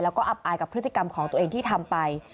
แล้วก็อับอายกับพฤติกรรมของตัวเองที่ทำไป